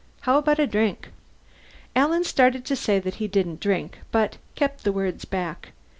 How about a drink?" Alan started to say that he didn't drink, but kept the words back.